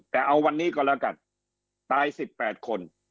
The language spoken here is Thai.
แต่เอาวันนี้ก็แล้วกันตาย๑๘คน